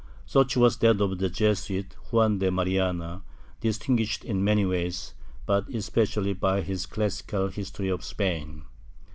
Such was that of the Jesuit, Juan de Mariana, distinguished in many ways, but es pecially by his classical History of Spain.